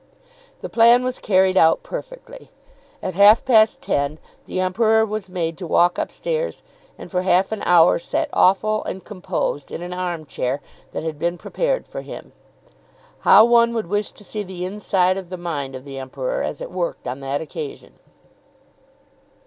The plan was carried out perfectly. At half past ten the Emperor was made to walk upstairs, and for half an hour sat awful and composed in an arm chair that had been prepared for him. How one would wish to see the inside of the mind of the Emperor as it worked on that occasion!